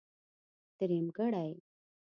درېمګړی.